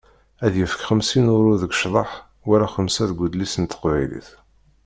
Ad yefk xemsin uṛu deg ccḍeḥ wala xemsa deg udlis n teqbaylit.